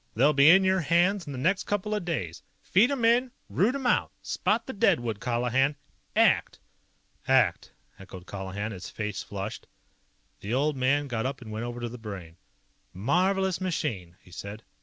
They'll be in your hands in the next couple of days. Feed 'em in! Root 'em out! Spot the deadwood, Colihan! ACT!" "ACT!" echoed Colihan, his face flushed. The old man got up and went over to the Brain. "Marvelous machine," he said.